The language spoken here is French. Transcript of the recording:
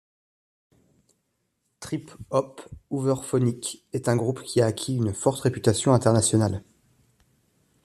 Trip hop: Hooverphonic est un groupe qui a acquis une forte réputation internationale.